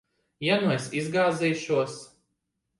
Ja nu es izgāzīšos?